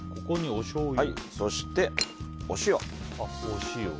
そして、お塩。